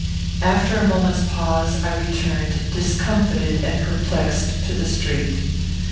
After a moment's pause, I returned, discomfited and perplexed, to the street.